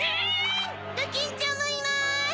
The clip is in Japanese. ドキンちゃんもいます！